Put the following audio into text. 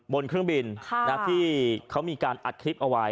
บนเครื่องบินที่เขามีการอัดคลิปเอาไว้